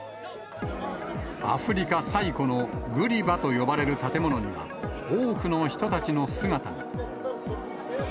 アフリカ最古のグリバと呼ばれる建物には、多くの人たちの姿が。